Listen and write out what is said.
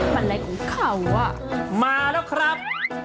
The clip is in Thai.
อะไรของเขามาแล้วครับ